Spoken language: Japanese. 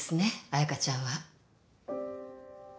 彩香ちゃんは。